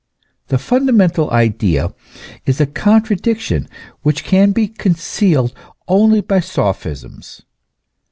The funda mental idea is a contradiction which can be concealed only by sophisms.